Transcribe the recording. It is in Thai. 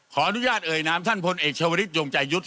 ขออนุญาตเอ่ยนามท่านพลเอกชาวลิศยงใจยุทธ์